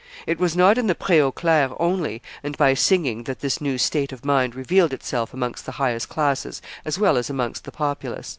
It was not in the Pre aux Clercs only and by singing that this new state of mind revealed itself amongst the highest classes as well as amongst the populace.